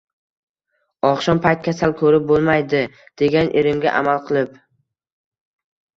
Oqshom payt kasal ko’rib bo’lmaydi”, degan irimga amal qilib